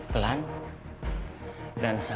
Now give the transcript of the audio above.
pelan dan sabar